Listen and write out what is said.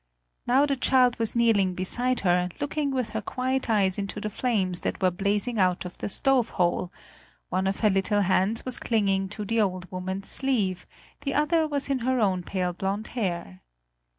Now the child was kneeling beside her, looking with her quiet eyes into the flames that were blazing up out of the stove hole; one of her little hands was clinging to the old woman's sleeve, the other was in her own pale blonde hair.